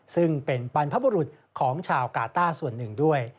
ซึ่งเป็นบรรพบุรุษของชาวกาต้าส่วนหนึ่งด้วย